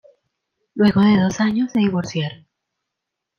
Luego de dos años se divorciaron.